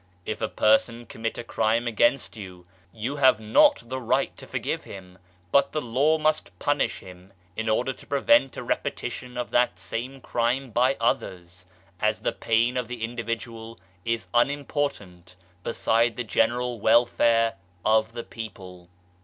If a person commit a crime against you, you have not the right to forgive him ; but the Law must punish him in order to prevent a repetition of that same crime by others, as the pain of the individual is unimportant beside the general welfare of the People.